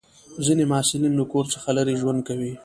ځینې محصلین له کور څخه لرې ژوند کوي.